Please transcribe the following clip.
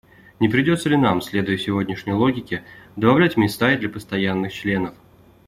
Не придётся ли нам, следуя сегодняшней логике, добавлять места и для постоянных членов?